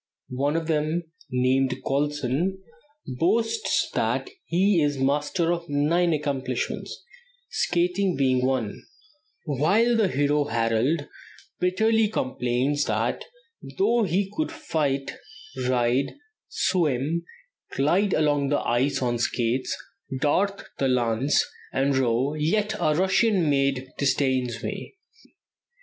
One of them, named Kolson, boasts that he is master of nine accomplishments, skating being one; while the hero Harold bitterly complains that though he could fight, ride, swim, glide along the ice on skates, dart the lance, and row, "yet a Russian maid disdains me."